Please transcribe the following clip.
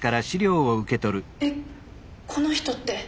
えっこの人って。